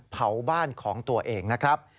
เผาบ้านของตัวเองนะครับ